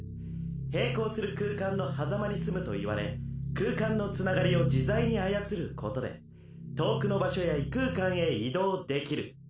並行する空間の狭間にすむと言われ空間のつながりを自在に操ることで遠くの場所や異空間へ移動できる。